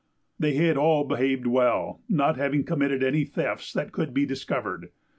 They had all behaved well, not having committed any thefts that could be discovered.